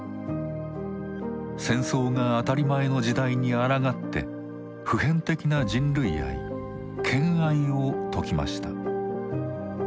戦争が当たり前の時代にあらがって普遍的な人類愛「兼愛」を説きました。